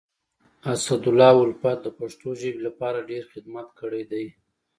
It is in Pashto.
اسدالله الفت د پښتو ژبي لپاره ډير خدمت کړی دی.